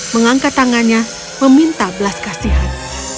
mengangkat tangannya meminta belas kasihan